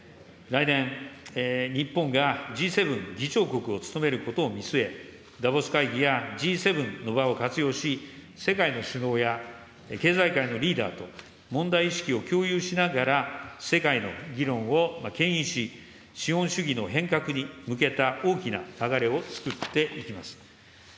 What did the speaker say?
来年、日本がＧ７議長国を務めることを見据え、ダボス会議やＧ７の場を活用し、世界の首脳や経済界のリーダーと問題意識を共有しながら、世界の議論をけん引し、資本主義の変革に向けた大きな流れをつくっていきます。